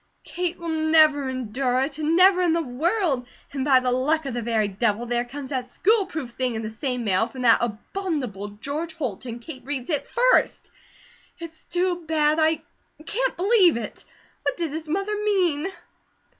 Kate will never endure it, never in the world! And by the luck of the very Devil, there comes that school proof thing in the same mail, from that abominable George Holt, and Kate reads it FIRST. It's too bad! I can't believe it! What did his mother mean?"